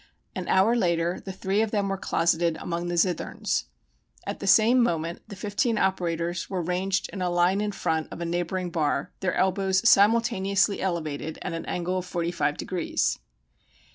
An hour later the three of them were closeted among the zitherns. At the same moment the fifteen operators were ranged in a line in front, of a neighboring bar, their elbows simultaneously elevated at an angle of forty five degrees.